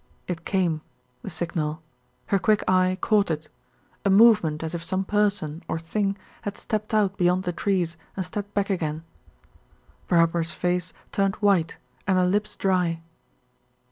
It came, the signal, her quick eye caught it; a movement as if some person or thing had stepped out beyond the trees and stepped back again. Barbara's face turned white and her lips dry.